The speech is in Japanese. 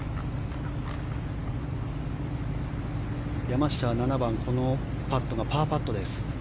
山下は７番このパットがパーパットです。